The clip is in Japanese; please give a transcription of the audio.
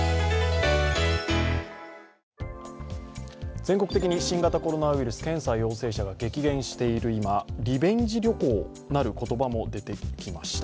全国的に新型コロナウイルス、検査陽性者が激減している今、リベンジ旅行なる言葉も出てきました。